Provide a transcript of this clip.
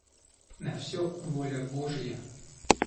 На все воля Божья.